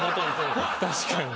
確かに。